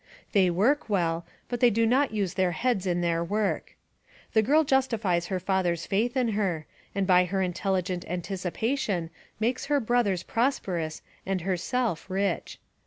They work well, but they do not use their heads in their work. The girl justifies her father's faith in her and by her intelligent antic ipation makes her brothers prosperous and herself rich.